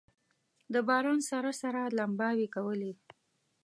د باران سره سره لمباوې کولې.